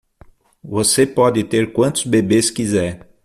Você pode ter quantos bebês quiser.